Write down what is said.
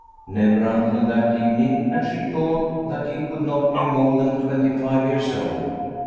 Never until that evening had she thought that he could not be more than twenty five years old.